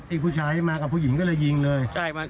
ผู้ชายมากับผู้หญิงก็เลยยิงเลย